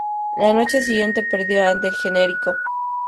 La noche siguiente, perdió ante El Generico.